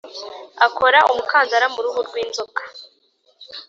Akora umukandara muruhu rwinzoka